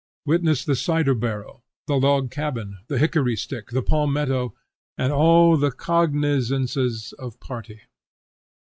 Witness the cider barrel, the log cabin, the hickory stick, the palmetto, and all the cognizances of party.